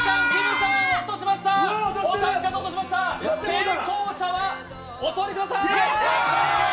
成功者はお座りください